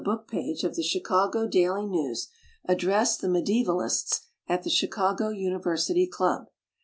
book page of the Chicago "Daily News", addressed the Mediaevalists at the Chicago University Club.